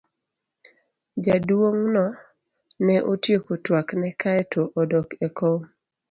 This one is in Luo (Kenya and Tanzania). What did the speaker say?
Jaduong'no ne otieko twakne kae to odok e kom.